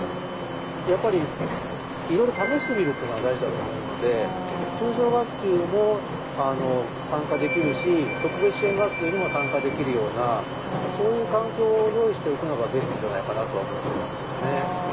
やっぱりいろいろ試してみるっていうのが大事だと思うので通常学級も参加できるし特別支援学級にも参加できるようなそういう環境を用意しておくのがベストじゃないかなとは思ってますけどね。